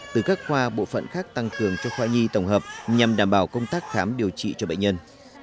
từ các khoa bộ phận khác tăng cường cho khoa nhi tổng hợp nhằm đảm bảo công tác khám điều trị cho bệnh nhân